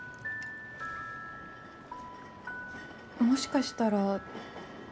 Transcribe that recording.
もしかしたら。